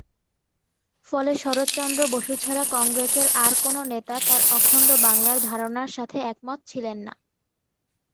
ফলে শরৎচন্দ্র বসু ছাড়া কংগ্রেসের আর কোন নেতা তার অখণ্ড বাংলার ধারণার সাথে একমত ছিলেন না।